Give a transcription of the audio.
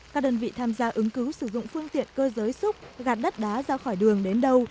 các đơn vị tham gia ứng cứu sử dụng phương tiện cơ giới xúc gạt đất đá ra khỏi đường đến đâu